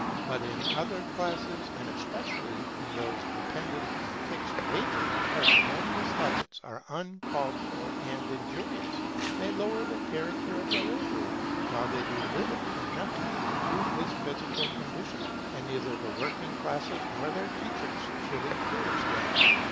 But in other classes, and especially in those dependent on fixed wages, parsimonious habits are uncalled for and injurious; they lower the character of the labourer, while they do little or nothing to improve his physical condition; and neither the working classes nor their teachers should encourage them.